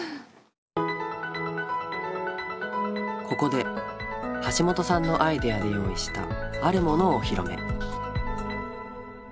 ここで橋本さんのアイデアで用意したあるものをお披露目。